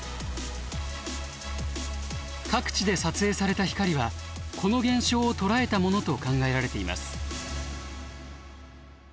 各地で撮影された光はこの現象を捉えたものと考えられています。